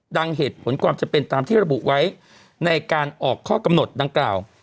เหตุผลความจำเป็นตามที่ระบุไว้ในการออกข้อกำหนดดังกล่าว